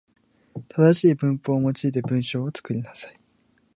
正しい文法を用いて文章を作りなさい。